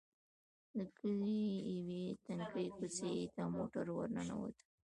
د کلي يوې تنګې کوڅې ته موټر ور ننوتلو.